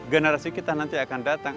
generasi kita nanti akan datang